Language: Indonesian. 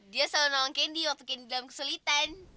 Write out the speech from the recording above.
dia selalu nolong candy waktu candy dalam kesulitan